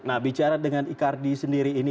nah bicara dengan icardi sendiri ini